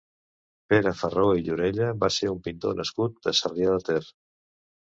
Pere Farró i Llorella va ser un pintor nascut a Sarrià de Ter.